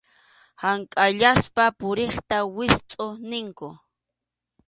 Hank’ayaspa puriqta wistʼu ninkum.